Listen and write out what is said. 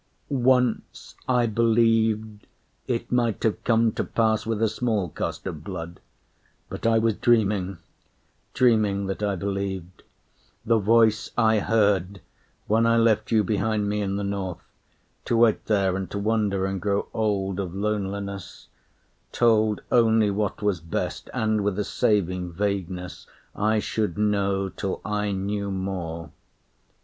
Once I believed it might have come to pass With a small cost of blood; but I was dreaming Dreaming that I believed. The Voice I heard When I left you behind me in the north, To wait there and to wonder and grow old Of loneliness, told only what was best, And with a saving vagueness, I should know Till I knew more.